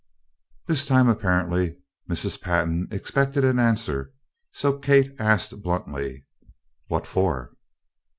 This time, apparently, Mrs. Pantin expected an answer, so Kate asked bluntly: "What for?"